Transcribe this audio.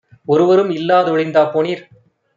ஒருவரும் இல்லா தொழிந்தா போனீர்?